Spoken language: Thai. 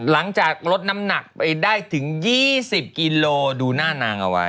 หลังจากลดน้ำหนักไปได้ถึง๒๐กิโลดูหน้านางเอาไว้